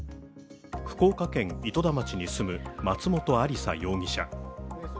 福岡県糸田町に住む松本亜里沙容疑者。